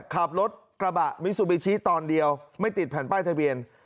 ขับรถกระบะมิซูบิชิตอนเดียวไม่ติดแผ่นป้ายทะเบียน